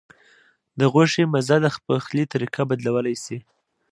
د غوښې مزه د پخلي طریقه بدلولی شي.